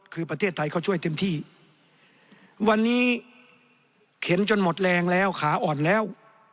คือประเทศไทยเขาช่วยเต็มที่วันนี้เข็นจนหมดแรงแล้วขาอ่อนแล้ว